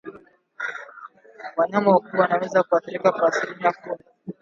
Wanyama wakubwa wanaweza kuathirika kwa asilimia kumi